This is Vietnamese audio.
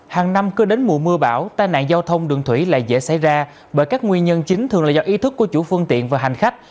hàng năm cứ đến mùa mưa bão tai nạn giao thông đường thủy lại dễ xảy ra bởi các nguyên nhân chính thường là do ý thức của chủ phương tiện và hành khách